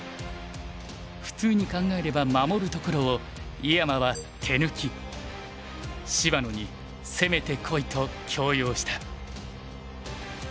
普通に考えれば守るところを井山は手抜き芝野に攻めてこいと強要した。